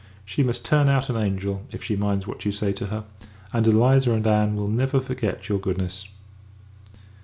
She must turn out an angel, if she minds what you say to her; and Eliza and Ann will never forget your goodness.